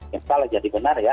yang salah jadi benar ya